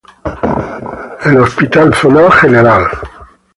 El Hospital Zonal Gral.